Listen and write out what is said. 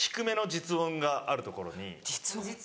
実音？